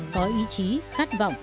có ý chí khác